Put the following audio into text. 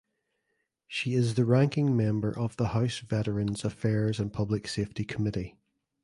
She is the ranking member of the House Veterans Affairs and Public Safety Committee.